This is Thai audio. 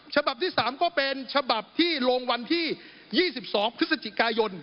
ฉบับที่๓ก็เป็นฉบับที่ลงวันที่๒๒พฤศจิกายน